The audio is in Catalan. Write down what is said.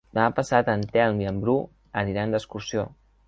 Demà passat en Telm i en Bru aniran d'excursió.